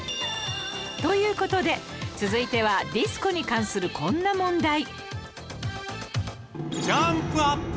という事で続いてはディスコに関するこんな問題